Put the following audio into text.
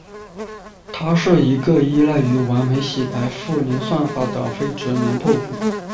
它是一个依赖于完美洗牌互联算法的非直连拓扑。